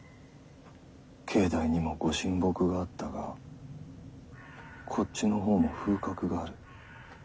境内にも「御神木」があったがこっちのほうも風格がある。